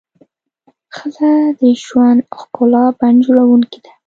ښځه د ژوند د ښکلا بڼ جوړونکې ده.